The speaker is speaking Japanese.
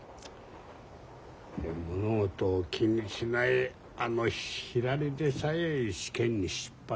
物事を気にしないあのひらりでさえ試験に失敗した。